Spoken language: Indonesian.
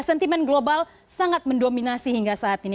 sentimen global sangat mendominasi hingga saat ini